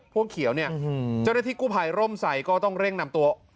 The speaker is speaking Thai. พ่วงเขียวเจ้าหน้าที่กู้ไพรร่มใส่ก็ต้องเร่งนำตัว